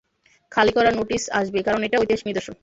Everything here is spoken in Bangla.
খালি করার নোটিশ আসবেই, কারণ এইটা ঐতিহাসিক নিদর্শন।